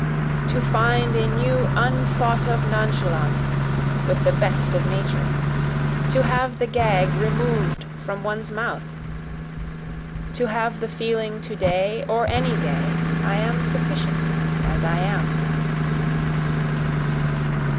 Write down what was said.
To find a new unthought of nonchalance with the best of Nature! To have the gag remov'd from one's mouth! To have the feeling to day or any day I am sufficient as I am.